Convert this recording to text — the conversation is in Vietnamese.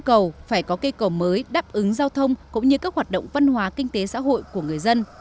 cầu phải có cây cầu mới đáp ứng giao thông cũng như các hoạt động văn hóa kinh tế xã hội của người dân